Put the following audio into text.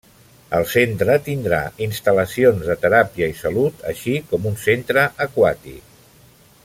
El centre tindrà instal·lacions de teràpia i salut, així com un centre aquàtic.